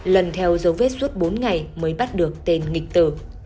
lần theo dấu vết suốt bốn ngày mới bắt được tên nghịch tử